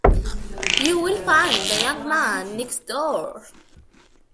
You will find the young man next door.